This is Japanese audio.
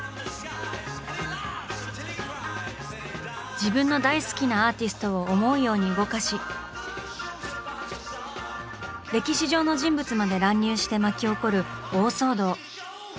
自分の大好きなアーティストを思うように動かし歴史上の人物まで乱入して巻き起こる大騒動。